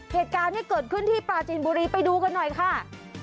เหตุการณ์ที่เกิดขึ้นที่ปราจีนบุรีไปดูกันหน่อยค่ะ